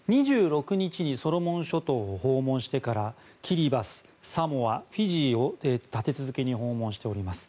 ２６日にソロモン諸島を訪問してからキリバス、サモア、フィジーを立て続けに訪問しています。